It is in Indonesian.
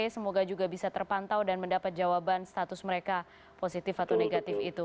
semoga juga bisa terpantau dan mendapat jawaban status mereka positif atau negatif itu